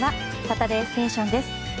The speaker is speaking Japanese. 「サタデーステーション」です。